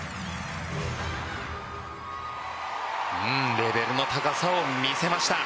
レベルの高さを見せました。